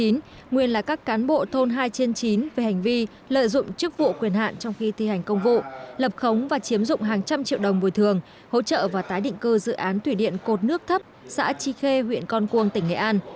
nguyên là các cán bộ thôn hai trên chín về hành vi lợi dụng chức vụ quyền hạn trong khi thi hành công vụ lập khống và chiếm dụng hàng trăm triệu đồng bồi thường hỗ trợ và tái định cư dự án thủy điện cột nước thấp xã tri khê huyện con cuông tỉnh nghệ an